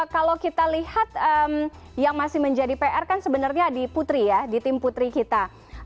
kalau kita lihat yang masih menjadi pr kan sebenarnya di putri ya di tim putri kita